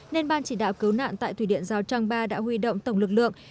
nên ban chỉ đạo cứu nạn tại thủy điện giao trang ba đã huy động tổng lực lượng